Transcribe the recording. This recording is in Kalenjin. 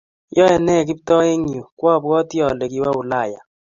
yoei nee Kiptoo eng yu? Kobwoti ale kiwo Ulaya